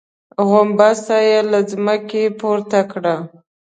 غومبسه يې له ځمکې پورته کړه.